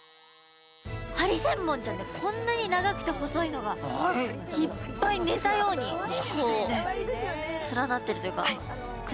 ハリセンボンちゃんにはこんなに長くて細いのがいっぱい寝たように連なっているというかくっついてるんですね。